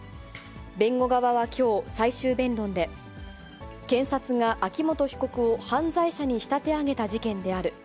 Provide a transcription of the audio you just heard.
弁護側はきょう、最終弁論で、検察が秋元被告を犯罪者に仕立て上げた事件である。